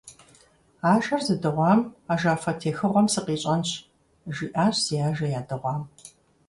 «Ажэр зыдыгъуам ажафэ техыгъуэм сыкъищӀэнщ», - жиӀащ зи ажэ ядыгъуам.